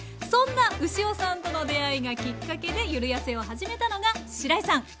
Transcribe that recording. そんな牛尾さんとの出会いがきっかけでゆるやせを始めたのがしらいさん。